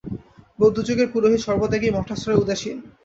বৌদ্ধযুগের পুরোহিত সর্বত্যাগী, মঠাশ্রয়, উদাসীন।